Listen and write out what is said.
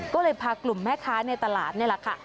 ก็เลยพากลุ่มแม่ค้าในตลาดนี่แหละค่ะ